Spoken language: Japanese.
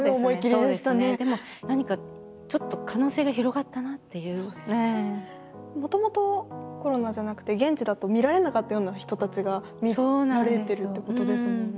でも何かちょっともともとコロナじゃなくて現地だと見られなかったような人たちが見られてるっていうことですもんね。